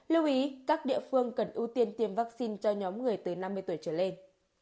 lưu ý các địa phương cần ưu tiên tiêm vaccine cho nhóm người từ năm mươi tuổi trở lên